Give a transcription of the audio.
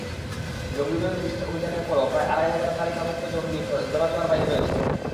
জঙ্গিবিরোধী বিশেষ অভিযানের পরও প্রায় আড়াই হাজার তালিকাভুক্ত জঙ্গি ধরাছোঁয়ার বাইরে রয়েছেন।